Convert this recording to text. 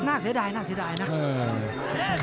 น่าเสียดายน่าเสียดายนะ